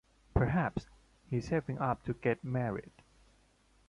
Perhaps he's saving up to get married.